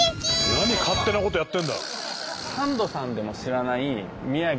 何勝手なことやってんだ！